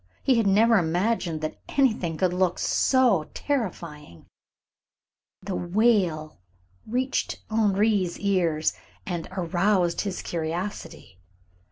He had never imagined that anything could look so terrifying. The wail reached Henri's ears and aroused his curiosity.